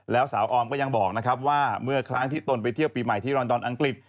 แล้วสาวออมก็ยังบอกนะครับว่าเมื่อครั้งที่ตนไปเที่ยวปีใหม่ที่รอนดอนอังกฤษ